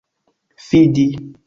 fidi